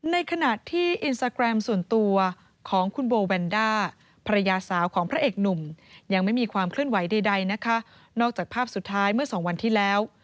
ในขณะที่อินสตาแกรมส่วนตัวของคุณโบแวนด้าภรรยาสาวของพระเอกหนุ่มยังไม่มีความเคลื่อนไหวใดนะคะนอกจากภาพสุดท้ายเมื่อสองวันที่แล้ว